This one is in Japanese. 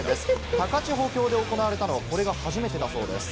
高千穂峡で行われたのは、これが初めてだそうです。